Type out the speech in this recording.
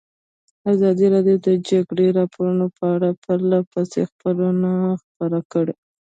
ازادي راډیو د د جګړې راپورونه په اړه پرله پسې خبرونه خپاره کړي.